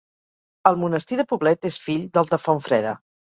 El monestir de Poblet és fill del de Fontfreda.